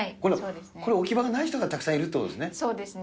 これ、置き場がない人がたくさんいるということですね。